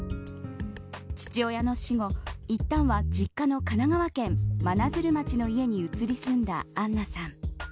父親の死後、いったんは実家の神奈川県真鶴町の家に移り住んだアンナさん。